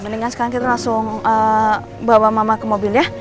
mendingan sekarang kita langsung bawa mama ke mobil ya